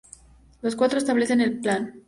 Los cuatro establecen el plan.